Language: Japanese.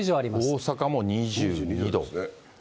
大阪も２２度。